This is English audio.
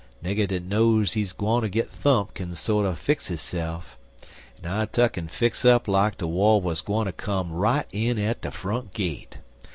Nigger dat knows he's gwineter git thumped kin sorter fix hisse'f, en I tuck'n fix up like de war wuz gwineter come right in at de front gate.